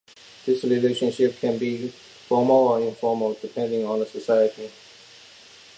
This relationship can be formal or informal, depending on the society.